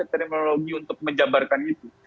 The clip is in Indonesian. maksudnya tidak ada sektimologi untuk menjambarkan itu